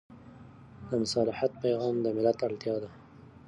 د مصالحت پېغام د ملت اړتیا ده.